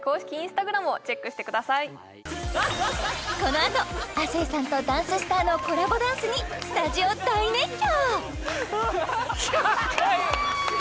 このあと亜生さんとダンススターのコラボダンスにスタジオ大熱狂